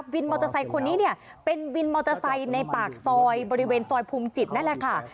วินมอเตอร์ไซค์คนนี้เนี่ยเป็นวินมอเตอร์ไซค์ในปากซอยบริเวณซอยภูมิจิตนั่นแหละค่ะ